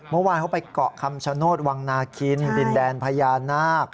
เมื่อวานเขาไปเกาะคำชโนธวังนาคินดินแดนพญานาค